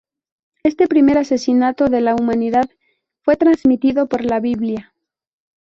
Este primer asesinato de la humanidad fue transmitido por La Biblia.